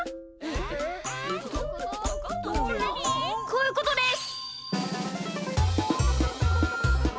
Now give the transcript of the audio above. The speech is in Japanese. こういうことです！